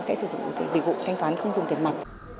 sẽ sử dụng dịch vụ thanh toán không dùng tiền mặt